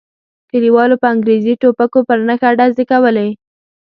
کلیوالو په انګریزي ټوپکو پر نښه ډزې کولې.